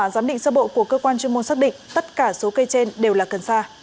sau bộ của cơ quan chuyên môn xác định tất cả số cây trên đều là cần sa